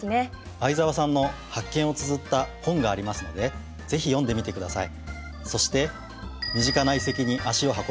相沢さんの発見をつづった本がありますのでぜひ読んでみてください。